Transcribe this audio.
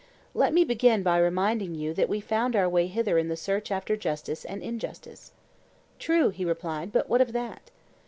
Let me begin by reminding you that we found our way hither in the search after justice and injustice. True, he replied; but what of that?